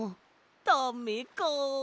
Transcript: ダメかあ。